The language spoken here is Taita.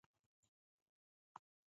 Derendazurumia ndiw'enyi.